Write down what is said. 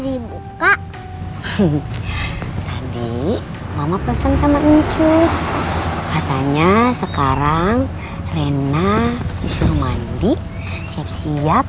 dibuka hehehe tadi mama pesan sama incus katanya sekarang rena disuruh mandi siap siap